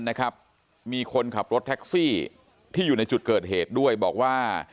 นะครับมีคนขับรถแท็กซี่ที่อยู่ในจุดเกิดเหตุด้วยบอกว่า